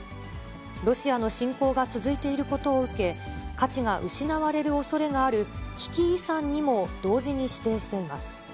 ロシアの侵攻が続いていることを受け、価値が失われるおそれがある危機遺産にも同時に指定しています。